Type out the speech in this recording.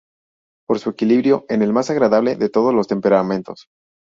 Por su equilibrio, es el más agradable de todos los temperamentos.